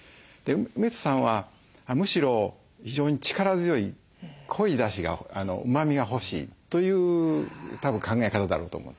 梅津さんはむしろ非常に力強い濃いだしがうまみが欲しいというたぶん考え方だろうと思うんです。